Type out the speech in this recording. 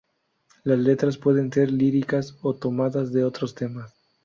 Las letras pueden ser líricas o tomadas de otros temas.